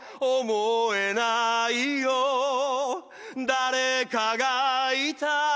「誰かがいた」